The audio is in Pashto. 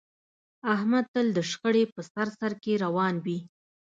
احمد تل د شخړې په سر سرکې روان وي.